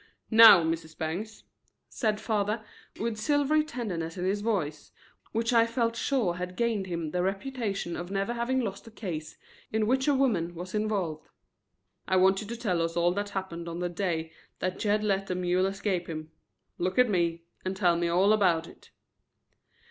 "Now, Mrs. Bangs," said father, with silvery tenderness in his voice which I felt sure had gained him the reputation of never having lost a case in which a woman was involved, "I want you to tell us all that happened on the day that Jed let the mule escape him. Look at me and tell me all about it."